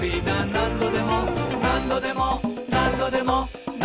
「なんどでもなんどでもなんどでも」